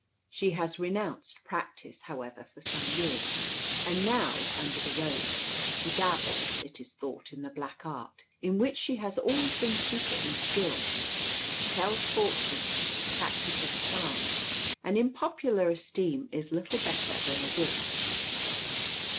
She has renounced practice, however, for some years; and now, under the rose, she dabbles, it is thought, in the black art, in which she has always been secretly skilled, tells fortunes, practises charms, and in popular esteem is little better than a witch.